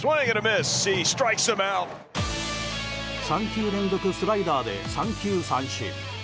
３球連続スライダーで三球三振。